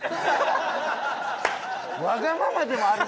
わがままでもあるんかい。